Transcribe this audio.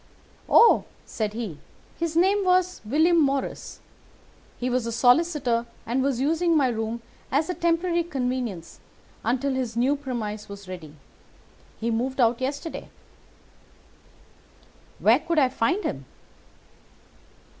"'Oh,' said he, 'his name was William Morris. He was a solicitor and was using my room as a temporary convenience until his new premises were ready. He moved out yesterday.' "'Where could I find him?